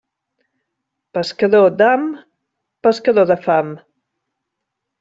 Pescador d'ham, pescador de fam.